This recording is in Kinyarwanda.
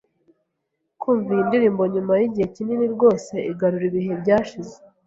Kumva iyi ndirimbo nyuma yigihe kinini rwose igarura ibihe byashize.